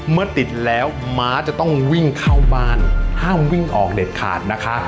เมื่อติดแล้วม้าจะต้องวิ่งเข้าบ้านห้ามวิ่งออกเด็ดขาดนะคะ